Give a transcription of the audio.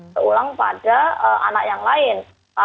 terulang pada anak yang lain